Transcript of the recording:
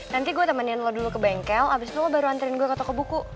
nanti gue temenin lo dulu ke bengkel abis itu lo baru antrian gue ke toko buku